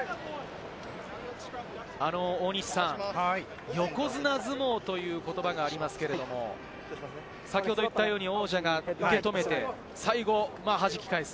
大西さん、横綱相撲という言葉がありますけれども、先ほど言ったように、王者が受け止めて、最後にはじき返す。